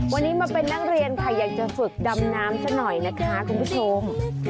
วันนี้มาเป็นนักเรียนค่ะอยากจะฝึกดำน้ำซะหน่อยนะคะคุณผู้ชม